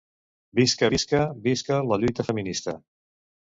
Visca, visca, visca la lluita feminista!